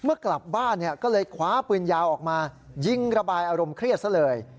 กลับบ้านก็เลยคว้าปืนยาวออกมายิงระบายอารมณ์เครียดซะเลย